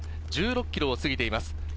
１６ｋｍを過ぎています。